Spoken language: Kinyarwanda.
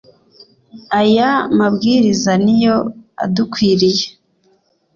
aya mabwiriza niyo adukwiriye